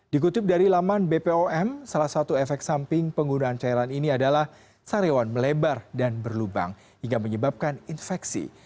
dikutip dari laman bpom salah satu efek samping penggunaan cairan ini adalah sariwan melebar dan berlubang hingga menyebabkan infeksi